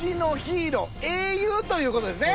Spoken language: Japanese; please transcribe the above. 英雄ということですね。